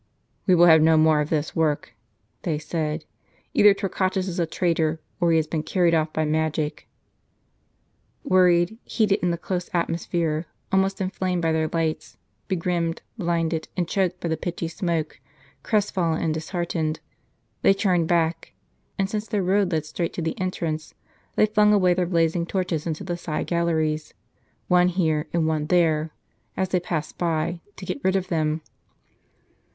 "We will have no more of this work," they said; " either Torquatus is a traitor, or he has been carried off by magic." Worried, heated in the close atmosphere, almost inflamed by their lights, begrimed, blinded, and choked by the pitchy smoke, crest fallen and disheartened, they turned back ; and since their road led straight to the entrance, they flung away their blazing torches into the side galleries, one here and one there, as they passed by, to get rid of them.